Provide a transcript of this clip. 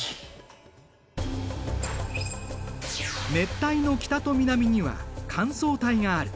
熱帯の北と南には乾燥帯がある。